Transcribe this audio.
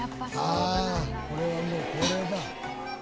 ああこれはもう恒例だ。